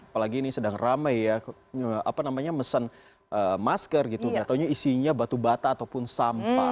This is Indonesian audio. apalagi ini sedang ramai ya apa namanya mesen masker gitu ataunya isinya batu bata ataupun sampah